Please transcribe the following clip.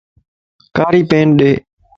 ڪاري پين ڏي